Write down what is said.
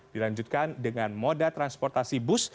dilanjutkan dengan moda transportasi bus